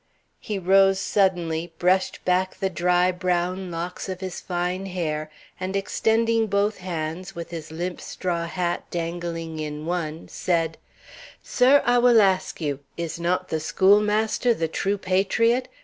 He rose suddenly, brushed back the dry, brown locks of his fine hair, and extending both hands, with his limp straw hat dangling in one, said: "Sir, I will ask you; is not the schoolmaster the true patriot?